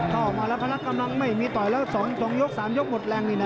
เข้ามาแล้วพละกำลังไม่มีต่อยแล้ว๒ยก๓ยกหมดแรงนี่นะ